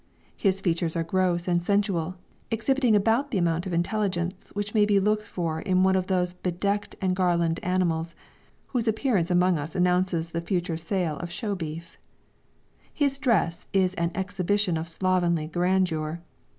His features are gross and sensual, exhibiting about the amount of intelligence which may be looked for in one of those bedecked and garlanded animals, whose appearance among us announces the future sale of show beef. His dress is an exhibition of slovenly grandeur.